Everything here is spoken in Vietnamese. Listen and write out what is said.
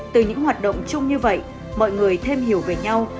từ những hoạt động chung như vậy mọi người thêm hiểu về nhau